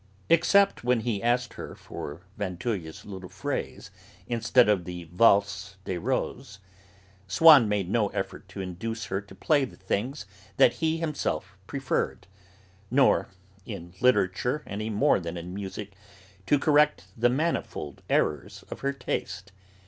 Except when he asked her for Vinteuil's little phrase instead of the Valse des Roses, Swann made no effort to induce her to play the things that he himself preferred, nor, in literature any more than in music, to correct the manifold errors of her taste.